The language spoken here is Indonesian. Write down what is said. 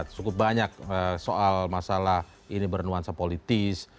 cukup banyak soal masalah ini bernuansa politis